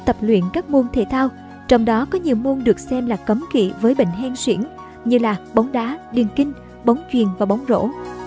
ché đã tập luyện các môn thể thao trong đó có nhiều môn được xem là cấm kỹ với bệnh hen xuyển như là bóng đá điên kinh bóng chuyền và bóng rổ